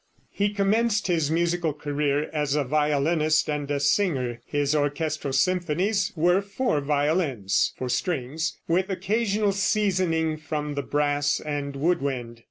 He commenced his musical career as a violinist and a singer. His orchestral symphonies were for violins (for strings), with occasional seasoning from the brass and wood wind.